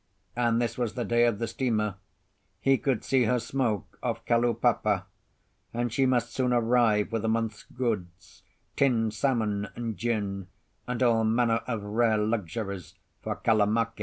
And this was the day of the steamer; he could see her smoke off Kalaupapa; and she must soon arrive with a month's goods, tinned salmon and gin, and all manner of rare luxuries for Kalamake.